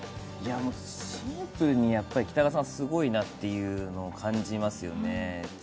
シンプルに北川さん、すごいなっていうのを感じますよね。